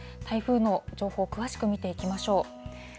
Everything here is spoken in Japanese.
台風の情報、詳しく見ていきましょう。